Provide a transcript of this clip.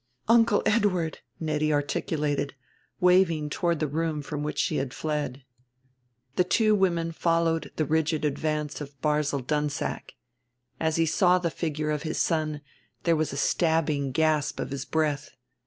"Uncle Edward," Nettie articulated, waving toward the room from which she had fled. The two women followed the rigid advance of Barzil Dunsack. As he saw the figure of his son there was a stabbing gasp of his breath.